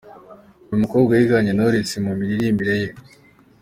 Uyu mukobwa yiganye Knowless mu miririmbire ye.